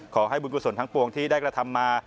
ขอให้บุญกุศลทั้งปวงที่ได้กระทำมา